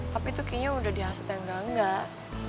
tapi itu kayaknya udah dihasut yang enggak enggak